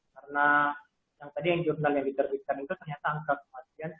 karena yang tadi yang jurnal yang diterbitkan itu ternyata angka kematian